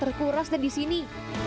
terkuras dan di sini